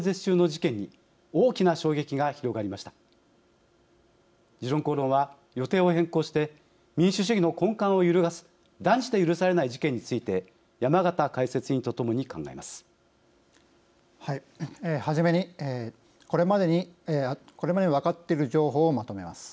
「時論公論」は予定を変更して民主主義の根幹を揺るがす断じて許されない事件について山形解説委員とともに考えます。